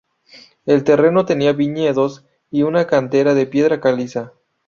El terreno tenía viñedos y una cantera de piedra caliza.